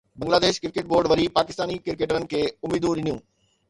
Bangladesh cricket board وري پاڪستاني ڪرڪيٽرن کي اميدون ڏنيون